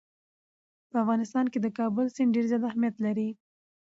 په افغانستان کې د کابل سیند ډېر زیات اهمیت لري.